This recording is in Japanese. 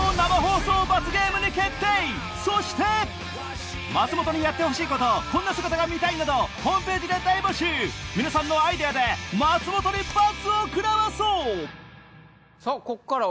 そして松本にやってほしいことこんな姿が見たい！などホームページで大募集皆さんのアイデアで松本に罰を食らわそう！